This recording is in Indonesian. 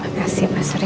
makasih pak surya